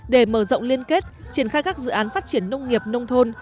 để mở rộng liên kết triển khai các dự án phát triển nông nghiệp nông thôn